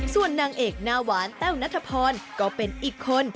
ส่วนนางเอกหน้าหวานแต้วนัทพรก็เป็นอีกคน